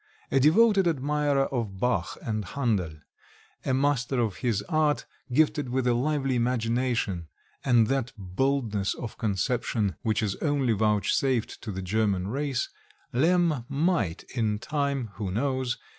A devoted admirer of Bach and Handel, a master of his art, gifted with a lively imagination and that boldness of conception which is only vouchsafed to the German race, Lemm might, in time who knows?